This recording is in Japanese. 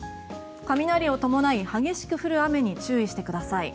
雷を伴い激しく降る雨に注意してください。